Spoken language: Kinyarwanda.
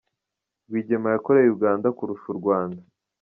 Rwigema yakoreye Uganda kurusha u Rwanda